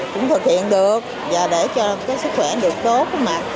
cũng thực hiện được và để cho sức khỏe được tốt